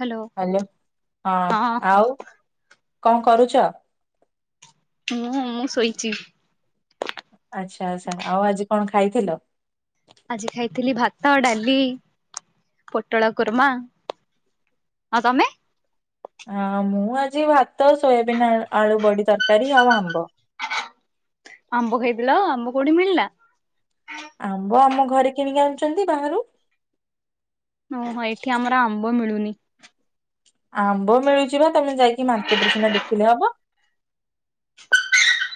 Hello hello, ହଁ ଆଉ କଣ କରୁଛ? ମୁଁ ମୁଁ ଶୋଇଛି। ଆଚ୍ଛା ଆଚ୍ଛା। ଆଉ ଆଜି କଣ ଖାଇଥିଲ? ଆଜି ଖାଇଥିଲି ଭାତ, ଡାଲି, ପୋଟଳ କୁର୍ମା। ହଁ ତମେ? ହଁ ମୁଁ ଆଜି ଭାତ, ସୋୟାବିନ୍ ଆଉ ଆଳୁ ବଡି ତରକାରୀ ଆଉ ଆମ୍ବ। ଆମ୍ବ ଖାଇଥିଲ ଆ ଆମ୍ବ କୋଉଠି ମିଳିଲା? ଆମ୍ବ ଆମ ଘରେ କିଣିକି ଆଣୁଛନ୍ତି ବାହାରୁ। ଓହୋ ଏଠି ଆମର ଆମ୍ବ ମିଳୁନି। ଆମ୍ବ ମିଳୁଛି ବା ତମେ ଯାଇକି ମାର୍କେଟରେ ସିନା ଦେଖିଲେ ହବ।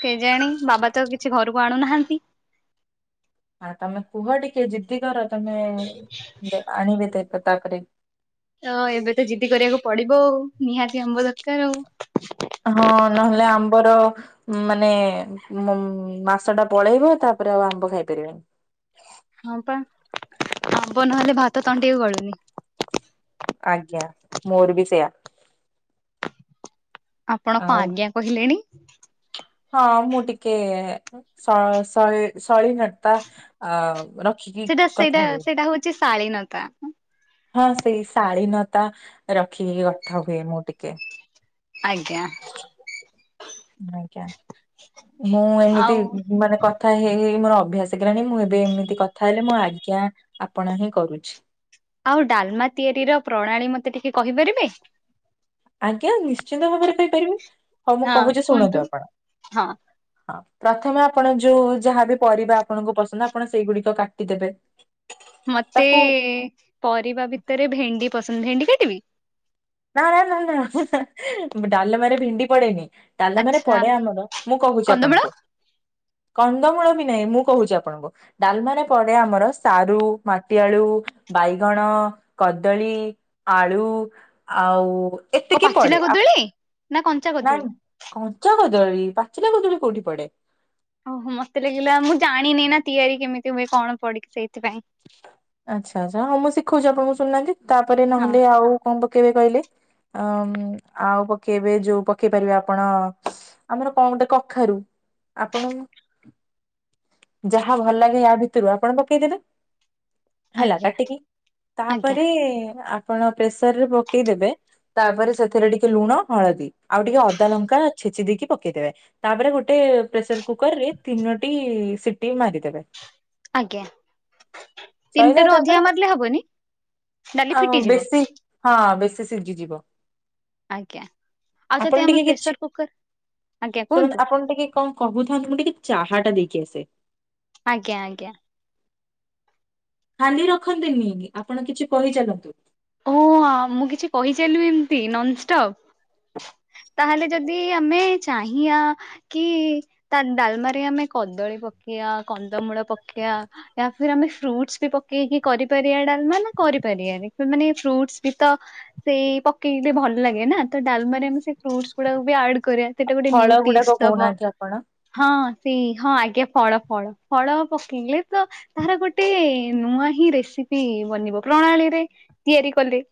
କେଜାଣି ବାବା ତ କିଛି ଘରକୁ ଆଣୁନାହାନ୍ତି। ହଁ ତମେ କୁହ ଟିକେ ଜିଦ୍ଦି କର ତମେ ଆଣିବେ ତ ତାପରେ। ତ ଏବେ ତ ଜିଦି କରିବାକୁ ପଡିବ ଆଉ ନିହାତି ଆମ୍ବ ଦରକାର ଆଉ। ହଁ ନହେଲେ ଆମ୍ବର ମାନେ ଉ ମାସ ଟା ପଳେଇବ ତାପରେ ଆଉ ଆମ୍ବ ଖାଇପାରିବେନି। ହଁ ପା ଆମ୍ବ ନହେଲେ ଭାତ ତଣ୍ଟି ଏ ଗଳୁନି। ଆଜ୍ଞା ମୋର ବି ସେୟା। ଆପଣ କ ଆଉ ଆଜ୍ଞା କହିଲେଣି। ହଁ ମୁଁ ଟିକେ ଶ ଶଳୀ ଶଳୀନତା ଅ ର ସେଇଟା ସେଇଟା ସେଇଟା ହଉଛି ଶାଳୀନତା। ହଁ ସେଇ ଶାଳୀନତା ରଖିକି କଥା ହୁଏ ମୁଁ ଟିକେ। ଆଜ୍ଞା। ଆଜ୍ଞା ମୁଁ ଏମିତି ଆଉ ମାନେ କ କଥା ହେଇ ମୋର ଅଭ୍ୟାସ ହେଇ ଗଲାଣି ମୁଁ ଏବେ ଏମିତି କଥା ହେଲେ ମୁଁ ଆଜ୍ଞା ଆପଣ ହିଁ କରୁଛି। ଆଉ ଡାଲମା ତିଆରି ର ପ୍ରଣାଳୀ ମତେ ଟିକେ କହିପାରିବେ? ଆଜ୍ଞା ନିଶ୍ଚିନ୍ତ ଭାବରେ କହିପାରିବି ହଉ ମୁଁ ହଁ କହୁଛି ଶୁଣନ୍ତୁ କୁହନ୍ତୁ ଆପଣ। ହଁ ହଁ ପ୍ରଥମେ ଆପଣ ଯୋଉ ଯାହାବି ପରିବା ଆପଣଙ୍କୁ ପସନ୍ଦ ଆପଣ ସେଇଗୁଡିକ କାଟିଦେବେ। ମତେ ତାକୁ ପରିବା ଭିତରେ ଭେଣ୍ଡି ପସନ୍ଦ ଭେଣ୍ଡି କାଟିବି? ନା ନା ନା ନା ଡାଲମା ରେ ଭିଣ୍ଡି ପଡେନି। ଡାଲମାରେ ଆଚ୍ଛା ପଡେ ଆମର ମୁଁ କହୁଛି କନ୍ଦମୂଳ ଆପଣଙ୍କୁ। କନ୍ଦମୂଳ ବି ନାହିଁ ମୁଁ କହୁଛି ଆପଣଙ୍କୁ। ଡାଲମା ରେ ପଡ଼େ ଆମର ସାରୁ ମାଟିଆଳୁ ବାଇଗଣ କଦଳୀ ଆଳୁ ଆଉ କ ଏତିକି ପଡେ ପାଚିଲା ଆ କଦଳୀ? ନା କଞ୍ଚା କଦଳୀ ନାଇଁ କଞ୍ଚା କଦଳୀ ପାଚିଲା କଦଳୀ କୋଉଠି ପଡେ? ଓହୋ ମତେ ଲାଗିଲା ମୁଁ ଜାଣିନି ନା ତିଆରି କେମିତି ହୁଏ କଣ ପଡିକି ସେଇଥିପାଇଁ। ଆଚ୍ଛା ଆଚ୍ଛା ହଁ ମୁଁ ଶିଖଉଛି ଆପଣଙ୍କୁ ଶୁନାହାନ୍ତି ତାପରେ ହଁ ନହେଲେ ଆଉ କଣ ପକେଇବେ କହିଲେ? ହଁ ଆଉ ପକେଇବେ ଯୋଉ ପକେଇ ପାରିବେ ଆପଣ ଆମର କଣ ଗୋଟେ କଖାରୁ ଆପଣ ଯାହା ଭଲ ଲାଗେ ୟା ଭିତରୁ ଆପଣ ପକେଇଦେଲେ। ହେଲା ଆଜ୍ଞା କାଟିକି ଆଜ୍ଞା ତାପରେ ଆପଣ ପ୍ରେସରରେ ପକେଇଦେବେ। ତାପରେ ସେଥିରେ ଟିକେ ଲୁଣ ହଳଦୀ ଆଉ ଟିକେ ଅଦା ଲଙ୍କା ଛେଚି ଦେଇକି ପକେଇଦେବେ। ତାପରେ ଗୋଟେ ପ୍ରେସର କୁକର ରେ ତିନୋଟି ସିଟି ମାରିଦେବେ। ଆଜ୍ଞା ସଇଲା ତିନିଟା ରୁ ତାପରେ ଅଧିକା ମାରିଲେ ହବନି ଡାଲି ଆଉ ଫିଟିଯିବ। ବେଶୀ ହଁ ବେଶୀ ସିଝିଯିବ। ଆଜ୍ଞା ଆଉ ଯଦି ଆପଣ ଆମେ ଟିକେ କିଛି ପ୍ରେସର କୁକର ଆଜ୍ଞା କୁହନ୍ତୁ ଶୁଣନ୍ତ ଆପଣ ଟିକେ କଣ କହୁଥାନ୍ତେ ମୁଁ ଟିକେ ଚାହା ଟା ଦେଇକି ଆସେ। ଆଜ୍ଞା ଆଜ୍ଞା। ଖାଲି ରଖନ୍ତିନି ଆପଣ କିଛି କହିଚାଲନ୍ତୁ। ଓ ଆ ମୁଁ କିଛି କହିଚାଲିବି ଏମିତି ନନଷ୍ଟପ୍। ତାହେଲେ ଯଦି ଆମେ ଚାହିଁଆ କି ତା ଡାଲମାରେ ଆମେ କଦଳୀ ପକେଇବା କନ୍ଦମୂଳ ପକେଇବା। ୟ ଫର ଆମେ ଫ୍ରୁଟସ ବି ପକେଇକି କରିପାରିବା ଡାଲମା ନା କରିପାରିବାନି? ମାନେ ଫ୍ରୁଟସ ବି ତ ସେଇ ପକେଇଲେ ଭଲ ଲାଗେ ନା ତ ଡାଲମାରେ ଆମେ ସେ ଫ୍ରୁଡୁସ ଗୁଡା ବି ଆଡ କରିବା। ସେଇଟା ଗୋଟେ ନିୟୁ ଫଳ ଟେଷ୍ଟ ଗୁଡାକ ଦବ। କହୁନାହାନ୍ତି ଆପଣ ହଁ ସେଇ ହଁ ଆଜ୍ଞା ଫଳ ଫଳ ଫଳ ପକେଇଲେ ତ ତାର ଗୋଟେ ନୂଆ ହିଁ ରେସିପି ବନିବ ପ୍ରଣାଳୀରେ ତିଆରି କଲେ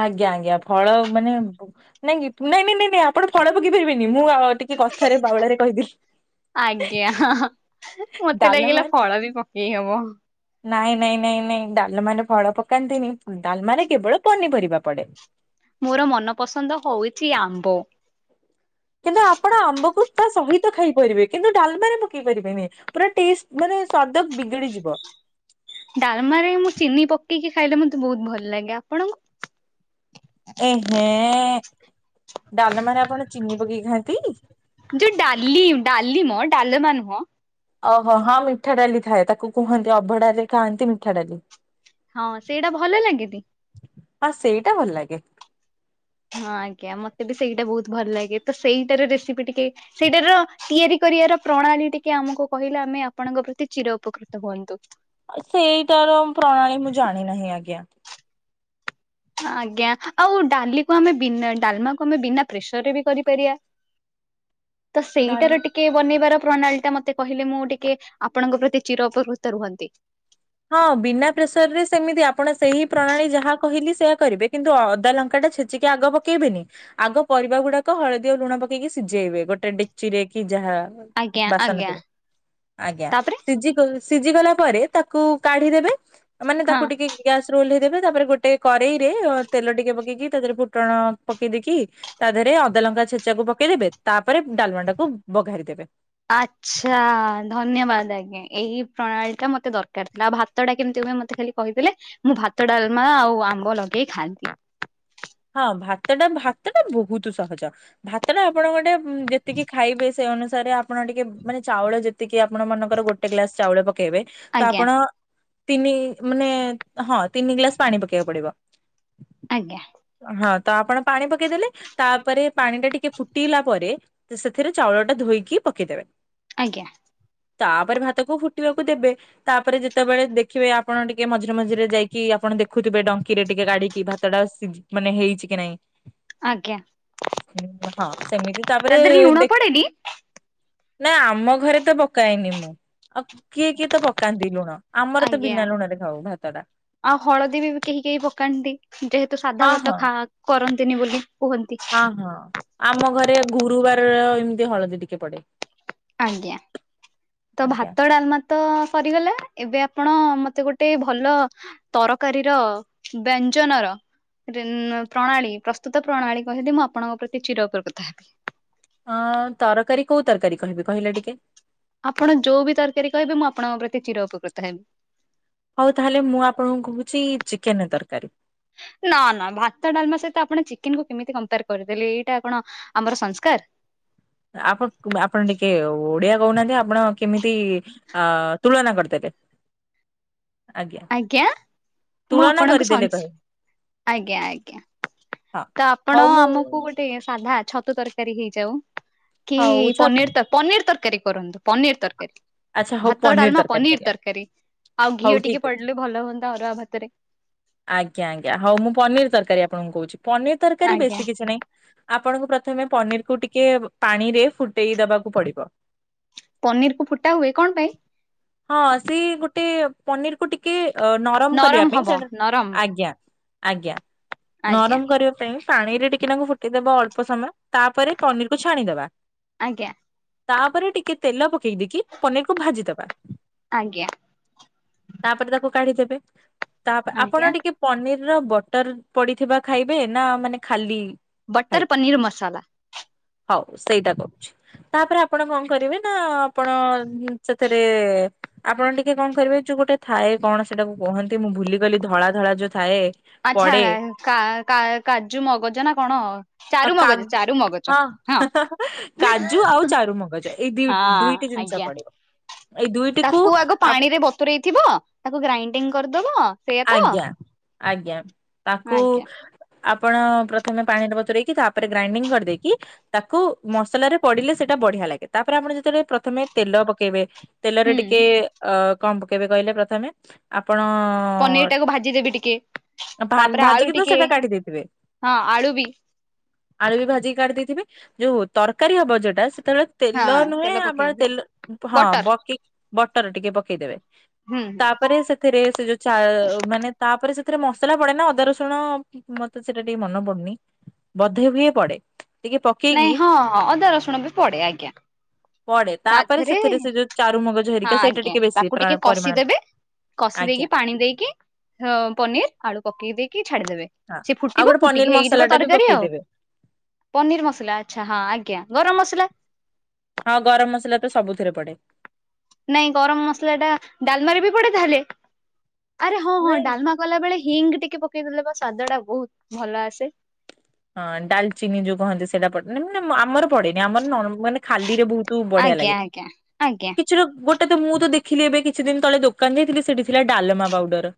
ଆଜ୍ଞା ଆଜ୍ଞା ଫଳ ମାନେ ନାଇଁ ନାଇଁ ନାଇଁ ନାଇଁ ଆପଣ ଫଳ ପକେଇ ପାରିବେନି ମୁଁ ଆ ଟି କଥାରେ ବାଉଳାରେ କହିଦେଲି। ଆଜ୍ଞା। ମତେ ଡାଲମା ଲାଗିଲା ଫଳ ବି ପକେଇ ହବ। ନାଇଁ ନାଇଁ ନାଇଁ ନାଇଁ ଡାଲ ମ ଫଳ ପକାନ୍ତିନି, ଡାଲ ମାରେ କେବଳ ପନିପରିବା ପଡେ। ମୋର ମନ ପସନ୍ଦ ହଉଛି ଆମ୍ବ। କିନ୍ତୁ ଆପଣ ଆମ୍ବକୁ ତା ସହିତ ଖାଇପାରିବେ କିନ୍ତୁ ଡାଲମାରେ ପକେଇ ପାରିବେନି ପୁରା ଟଷ୍ଟ ମାନେ ସଵାଦ ବିଗିଡିଯିବ। ଡାଲମାରେ ମୁଁ ଚିନି ପକେଇକି ଖାଇଲେ ମତେ ବହୁତ ଭଲ ଲାଗେ ଆ? ଆପଣଙ୍କୁ? ଏହେ ଡାଲ ମ ଆପଣ ଚିନି ପକେଇ ଖାଆନ୍ତି। ଯୋଉ ଡାଲି ଡାଲିମ। ଡାଲମା ନୁହଁ। ଓହୋ ହଁ ମିଠା ଡାଲି ଥାଏ, ତାକୁ କୁହନ୍ତି ଅଭଢଡ ାରେ ଖାଆନ୍ତି ମିଠା ଡାଲି। ହଁ ସେଇଟା ଭଲ ଲାଗେଛି ହଁ ସେଇଟା ଭଲ ଲାଗେ। ହଁ ଆଜ୍ଞା ମତେ ବି ସେଇଟା ବହୁତ ଭଲ ଲାଗେ ତ ସେଇଟାର ରେସିପି ଟିକେ ସେଇଟାର ତିଆରି କରିବାର ପ୍ରଣାଳୀ ଟିକେ ଆମକୁ କହିଲେ ଆମେ ଆପଣଙ୍କ ପ୍ରତି ଚିର ଉପକୃତ ହୁଅନ୍ତୁ। ସେଇଟାର ପ୍ରଣାଳୀ ମୁଁ ଜାଣି ନାହିଁ ଆଜ୍ଞା। ଆଜ୍ଞା ଆଉ ଡାଲିକୁ ଆମେ ବିନା ଡାଲମାକୁ ଆମେ ବିନା ପ୍ରେସର ରେ ବି କରିପାରିବା। ତ ଡାଲ ସେଇଟାର ଟିକେ ଟିକେ ବନେଇବାର ପ୍ରଣାଳୀ ଟା ମତେ କହିଲେ ମୁଁ ଟିକେ ଆପଣଙ୍କ ପ୍ରତି ଚିର ଉପକୃତ ରୁହନ୍ତି। ହଁ ବିନା ପ୍ରେସର ରେ ସେମିତି ଆପଣ ସେହି ପ୍ରଣାଳୀ ଯାହା କହିଲି ସେୟଆ କରିବେ କିନ୍ତୁ ଅଦା ଲଙ୍କା ଟା ଛେଚିକି ଆଗ ପକେଇବେନି। ଆଗ ପରିବା ଗୁଡାକ ହଳଦୀ ଓ ଲୁଣ ପକେଇକି ସିଝେଇବେ ଗୋଟେ ଡେକଚି ରେ କି ଯାହା। ଆଜ୍ଞା ବାସନ ଆଜ୍ଞା ରେ ଆଜ୍ଞା ତାପରେ ଶିଜି ଗ ସିଜି ଗଲା ପରେ ତାକୁ କାଢିଦେବେ ମାନେ ହଁ। ତାକୁ ଟିକେ ଗ୍ୟାସ ରୁ ଓହ୍ଲେଇ ଦେବେ ତାପରେ ଗୋଟେ କରେଇରେ ତେଲ ଟିକେ ପକେଇକି ତା ଦେହରେ ଫୁଟଣ ପକେଇ ଦେଇକି ତା ଦେହରେ ଅଦା ଲଙ୍କା ଛେଚା କୁ ପକେଇଦେବେ ତାପରେ ଡାଲମାଟା କୁ ବଘାରିଦେବେ। ଆଚ୍ଛା ଧନ୍ୟବାଦ ଆଜ୍ଞା ଏଇ ପ୍ରଣାଳୀ ଟା ମତେ ଦରକାର ଥିଲା ଆଉ ଭାତ ଭାତ ଟା କେମିତି ହୁଏ ମତେ ଖାଲି କହିଦଲେ ମୁଁ ଭାତ ଡାଲମା ଆଉ ଆମ୍ବ ଲଗେଇ ଖାଆନ୍ତି। ହଁ ଭାତଟା ଭାତ ଟା ବହୁତୁ ସହଜ। ଭାତ ଟା ଆପଣ ଗୋଟେ ଯେତିକି ଖାଇବେ ସେଇ ଅନୁସାରେ ଆପଣ ଟିକେ ମାନେ ଚାଉଳ ଯେତିକି ଆପଣ ମନେଙ୍କର ଗୋଟେ ଗ୍ଲାସ ଚାଉଳ ପକେଇବେ ତ ଆଜ୍ଞା। ଆପଣ ତିନି ମାନେ ହଁ ତିନି ଗ୍ଲାସ ପାଣି ପକେଇବାକୁ ପଡିବ। ଆଜ୍ଞା। ହଁ ତ ଆପଣ ପାଣି ପକେଇଦେଲେ ତାପରେ ପାଣି ଟା ଟିକେ ଫୁଟେଇଲା ପରେ। ତ ସେଥିରେ ଚାଉଳ ଟା ଧୋଇକି ପକେଇଦେବେ। ଆଜ୍ଞା। ତାପରେ ଭାତକୁ ଫୁଟିବାକୁ ଦେବେ। ତାପରେ ଯେତେବେଳେ ଦେଖିବେ ଆପଣ ଟିକେ ମଝିରେ ମଝିରେ ଯାଇକି ଆପଣ ଦେଖୁଥିବେ ଡଙ୍କିରେ ଟିକେ ଗାଡିକି ଭା ଭାତଟା ମାନେ ହେଇଛି କି ନାଇଁ। ଆଜ୍ଞା ହଁ ସେମିତି ତା ତାପରେ ଦେହରେ ଲୁଣ ଦେଖ ପଡେନି ନା ଆମ ଘରେ ତ ପକାଏନି ମୁଁ ଆଉ କିଏ କିଏ ତ ପକାନ୍ତି ଲୁଣ। ଆମର ତ ଆଜ୍ଞା। ବିନା ଲୁଣ ରେ ଖାଉ ଭାତ ଟା। ଆଉ ହଳଦୀ ବି କେହି କେହି ପକାନ୍ତି ଯେହେତୁ ସାଧା ହଁ ଭାତ ହଁ। ଖା କରନ୍ତିନି ବୋଲି କୁହନ୍ତି। ହଁ ହଁ ଆମ ଘରେ ଗୁରୁବାରରେ ଏମିତି ହଳଦୀ ଟିକେ ପଡେ। ଆଜ୍ଞା ତ ଆଜ୍ଞା। ଭାତ ଡାଲମା ତ ସରିଗଲା ଏବେ ଆପଣ ମତେ ଗୋଟେ ଭଲ ତରକାରୀ ର ବ୍ୟଞ୍ଜନ ର ରିନ ପ୍ରଣାଳୀ ପ୍ରସ୍ତୁତ ପ୍ରଣାଳୀ କହିଲେ ମୁଁ ଆପଣଙ୍କ ପ୍ରତି ଚିର ଉପକୃତ ହେବି। ଅ ତରକାରୀ କୋଉ ତରକାରୀ କହିବି କହିଲ ଟିକେ। ଆପଣ ଯୋଉ ବି ତରକାରୀ କହିବେ ମୁଁ ଆପଣଙ୍କ ପ୍ରତି ଚିର ଉପକୃତ ହେବି। ହଉ ତାହେଲେ ମୁଁ ଆପଣଙ୍କୁ କହୁଚି ଚିକେନ ତରକାରୀ। ନା ନା ଭାତ ଡାଲମା ସହିତ ଆପଣ ଚିକେନ କୁ କେମିତି କମ୍ପେୟାର କରିଦେଲେ ଏଇଟା କଣ ଆମର ସଂସ୍କାର। ଆପ ଆପଣ ଟିକେ ଓଡିଆ କହୁନାହାନ୍ତି ଆପଣ କେମିତି ଅ ତୁଳନା କରିଦେଲେ। ଆଜ୍ଞା ମୁଁ ତୁଳନା ଆପଣଙ୍କୁ କରିଦେଲେ ସନସ କହିବେ ଆଜ୍ଞା ଆଜ୍ଞା। ହଁ। ତ ଆପଣ ହଉ ମୁଁ ଆମକୁ ଗୋଟେ ସାଧା ଛତୁ ତରକାରୀ ହେଇଯାଉ କି ହଉ ଛ ପନିର ତର ପନିର ତରକାରୀ କରନ୍ତୁ ପନିର ତରକାରୀ। ଆଚ୍ଛା ହଉ ଭାତ ପନିର ଡାଲମା ତରକାରୀ ପନିର କରିବା ତରକାରୀ ଆଉ ହଉ ଘିଅ ଠିକ ଟିକେ ଅଛି। ପଡିଲେ ଭଲ ହୁଅନ୍ତା ଅରୁଆ ଭାତରେ। ଆଜ୍ଞା ଆଜ୍ଞା ହଉ ମୁଁ ପନିର ତରକାରୀ ଆପଣଙ୍କୁ କହୁଚି ପନିର ତରକାରୀ ଆଜ୍ଞା ବେଶୀ କିଛି ନାହିଁ। ଆପଣଙ୍କୁ ପ୍ରଥମେ ପନିର କୁ ଟିକେ ପାଣି ରେ ଫୁଟେଇ ଦବାକୁ ପଡିବ। ପନିର କୁ ଫୁଟା ହୁଏ କଣ ପାଇଁ? ହଁ ସେ ଗୋଟେ ପନିରକୁୁ ଟିକେ ଅ ନରମ କରିବା ପାଇଁ ହବ ସେଟା ନରମ ଆଜ୍ଞା ଆଜ୍ଞା। ଆଜ୍ଞା ନରମ କରିବା ପାଇଁ ପାଣିରେ ଟିକେ ନାଁକୁ ଫୁଟିଦବା ଅଳ୍ପ ସମୟ ତାପରେ ପନିରକୁୁ ଛାଣିଦବା। ଆଜ୍ଞା। ତାପରେ ଟିକେ ତେଲ ପକେଇ ଦେଇକି ପନିରକୁ ଭାଜିଦବା। ଆଜ୍ଞା। ତାପରେ ତାକୁ କାଢିଦେବେ ତାପ ଆଜ୍ଞା ଆପଣ ଟିକେ ପନିରର ବଟର ପଡିଥିବା ଖାଇବେ ନା ମାନେ ଖାଲି ବଟର ଖାଇବେ? ପନୀର୍ ମଶାଲା। ହଉ ସେଇଟା କରୁଛି ତାପରେ ଆପଣ କଣ କରିବେ ନା ଆପଣ ସେଥିରେ ଆପଣ ଟିକେ କଣ କରିବେ ଯୋଉ ଗୋଟେ ଥାଏ କଣ ସେଟାକୁ କୁହନ୍ତି ମୁଁ ଭୁଲିଗଲି ଧଳା ଧଳା ଯୋଉ ଥାଏ। ଆଛା ପଡେ କା କା କାଜୁ ମଗଜ ନା କଣ ଆଉ ଚାରୁ କା ମଗଜ ଚାରୁ ମଗଜ। ହଁ ହଁ କାଜୁ ଆଉ ଚାରୁମଗଜ ଏଇ ଦ ହଁ ଦୁଇଟି ଜିନିଷ ଆଜ୍ଞା ପଡେ। ତାକୁ ଆଗ ପାଣି ରେ ବତୁରେଇ ଥିବ ତାକୁ ଗ୍ରାଇଣ୍ଡିଙ୍ଗ କରିଦବ। ସେଇଆ ତ ଆଜ୍ଞା ଆଜ୍ଞା ତାକୁ ଆଜ୍ଞା ଆପଣ ପ୍ରଥମେ ପାଣିରେ ବତୁରେଇକି ତାପରେ ଗ୍ରାଇଣ୍ଡିଙ୍ଗ କରିଦେଇକି ତାକୁ ମସଲାରେ ପଡିଲେ ସେଇଟା ବଢିଆ ଲାଗେ ତାପରେ ଆପଣ ଯେତେବେଳେ ପ୍ରଥମେ ତେଲ ପକେଇବେ ତେଲରେ ହୁଁ ଟିକେ ଅ କନ୍ ପକେଇବେ କହିଲେ ପ୍ରଥମେ ଆପଣ ପନିର ଟାକୁ ଭାଜିଦେବି ଟିକେ ତାପରେ ଆଳୁ ଭାଜିକି ତ ଟିକେ ସେଇଟା କାଢି ଦେଇଥିବେ ହଁ ଆଳୁ ବି ଆଳୁ ବି ଭାଜିକି କାଢିଦେଇଥିବେ ଯଉ ତରକାରୀ ହବ ଯୋଉଟା ସେତେବେଳେ ହଁ ତେଲ ନୁହେଁ ତେଲ ଆପଣ ପକେଇକି ତେଲ ହଁ ବଟର ବକି ବଟର ଟିକେ ପକେଇଦେବେ ହୁଁ ହୁଁ ତାପରେ ସେଥିରେ ସେ ଯୋଉ ଚା ମାନେ ତାପରେ ସେଥିରେ ମସଲା ପଡେ ନା ଅଦା ରସୁଣ ମତେ ସେଟା ଟିକେ ମନ ପଡୁନି ବଧେ ହୁଏ ପଡେ। ଟିକେ ପକେଇକି ନାଇଁ ହଁ ହଁ ଅଦା ରସୁଣ ବି ପଡେ ଆଜ୍ଞା। ପଡେ ତା ତାପରେ ଧୀରେ ସେଥିରେ ସେ ଯୋଉ ଚାରୁ ମଗଜ ହଁ ହେରିକା ସେଇଟା ଆଜ୍ଞା ଟିକେ ବେଶୀ ତାକୁ ଟିକେ ପରିମାଣ କଷିଦେବେ କଷି ଆଜ୍ଞା ଦେଇକି ପାଣି ଦେଇକି ପନିର ଆଳୁ ପକେଇ ଦେଇକି ଛାଡିଦେବେ। ହଁ ସେ ଆଉ ଫୁଟିବ ଗୋଟେ ପନିର ଫୁଟିକି ହେଇକି ମସଲା ଯିବ ଟା ବି ତରକାରୀ ଆଉ। ପକେଇଦେବେ ପନିର ମସଲା ଆଚ୍ଛା ହଁ ଆଜ୍ଞା ଗରମ ମସଲା ହଁ ଗରମ୍ ମସଲା ତ ସବୁଥିରେ ପଡେ। ନାଇଁ ଗରମ ମସଲା ଟା ଡାଲମାରେ ବି ପଡେ ତାହେଲେ ଆରେ ହଁ ହଁ ନାଇଁ ଡାଲମା କଲା ବେଳେ ହିଙ୍ଗ୍ ଟିକେ ପକେଇଦେଲେ ବା ସ୍ଵାଦ ଟା ବୋହୁତ ଭଲ ଆସେ। ହଁ ଡାଲଚିନି ଯୋଉ କହନ୍ତି ସେଇଟା ପଡେ ମାନେ ଆମର ପଡେନି ଆମର ନଣ ମାନେ ଖାଲି ରେ ବୁ ତୁ ବଢିଆ ଆଜ୍ଞା ଲାଗେ ଆଜ୍ଞା ଆଜ୍ଞା କ୍ ଚୋଲ୍ ଗୋଟେ ତ ମୁଁ ତ ଦେଖିଲି ଏବେ କିଛି ଦିନ ତଳେ ଦୋକାନ୍ ଯାଇଥିଲି ସେଠି ଥିଲା ଡଲମା ପାଉଡର।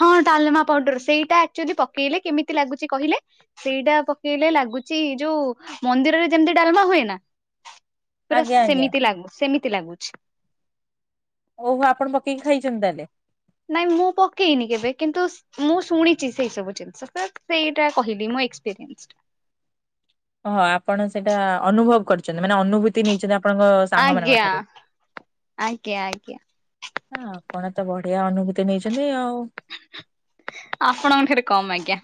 ହଁ ଡାଲମା ପାଉଡର ସେଇଟା ଆକଚୁଲି ପକେଇଲେ କେମିତି ଲାଗୁଚି କହିଲେ। ସେଇଟା ପକେଇଲେ ଲାଗୁଚି ଯୋଉ ମନ୍ଦିରରେ ଯେମିତି ଡାଲମା ହୁଏ ନା। ପୁରା ଆଜ୍ଞା ଆଜ୍ଞା ସେମିତି ଲାଗୁ ସେମିତି ଲାଗୁଚି। ଓହୋ ଆପଣ ପକେଇକି ଖାଇଚନ୍ତି ତାହେଲେ। ନାଇଁ ମୁଁ ପକେଇନି କେବେ କିନ୍ତୁ ମୁଁ ଶୁଣିଚି ସେଇ ସବୁ ଜିନିଷ ସେଇଟା କହିଲି ମୋ ଏକ୍ସପିରିଏନ୍ସ ରୁ। ଓହ ଆପଣ ସେଇଟା ଅନୁଭବ କରିଚନ୍ତି ମାନେ ଅନୁଭୂତି ନେଇଛନ୍ତି ଆପଣଙ୍କ ସାଙ୍ଗମାନଙ୍କ ଆଜ୍ଞା ଠାରୁ ଆଜ୍ଞା ଆଜ୍ଞା। ହ ଆପଣ ତ ବଢିଆ ଅନୁଭୂତି ନେଇଚନ୍ତି ଆଉ। ଆପଣଙ୍କ ଠାରୁ କମ୍ ଆଜ୍ଞା।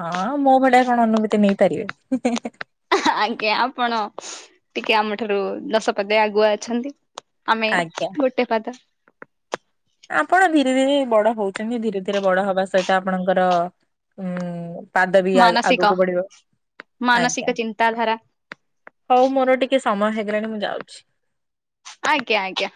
ହଁ ମୋ ଭଳିଆ କଣ ଅନୁଭୂତି ନେଇ ପାରିବେ। ଆଜ୍ଞା ଆପଣ ଟିକେ ଆମ ଠାରୁ ଦଶ ପାଦେ ଆଗୁଆ ଅଛନ୍ତି। ଆମେ ଆଜ୍ଞା। ଗୋଟେ ପାଦ। ଆପଣ ଧୀରେ ଧୀରେ ବଡ ହଉଚନ୍ତି ଧୀରେ ଧୀରେ ବଡ ହବା ସହିତ ଆପଣଙ୍କର ଉଁ ପାଦ ବି ଆଗ ମାନସିକ ଆଗକୁ ବଢିବ ମାନସିକ ଆଜ୍ଞା। ଚିନ୍ତାଧାରା ହୋଉ ମୋର ଟିକେ ସମୟ ହେଇଗଲାଣି ମୁଁ ଯାଉଚି। ଆଜ୍ଞା ଆଜ୍ଞା।